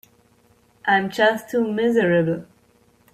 I'm just too miserable.